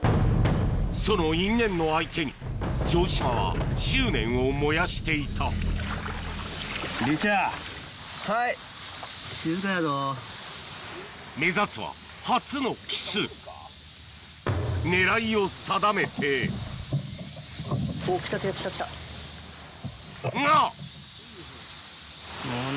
その因縁の相手に城島は執念を燃やしていた目指すは初のキス狙いを定めてが！